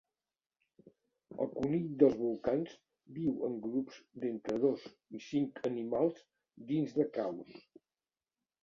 El conill dels volcans viu en grups d'entre dos i cinc animals dins de caus.